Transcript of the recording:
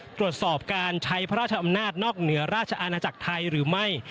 ตรวจสอบการใช้พระราชอำนาจนอกเหนือราชอาณาจักรไทยหรือไม่